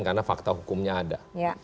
karena fakta hukumnya ada